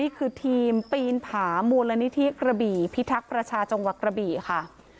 ทีมปีนผามูลนิธิกระบี่พิทักษ์ประชาจังหวัดกระบี่ค่ะ